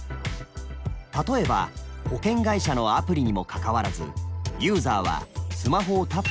例えば保険会社のアプリにもかかわらずユーザーはスマホをタップするだけで２４時間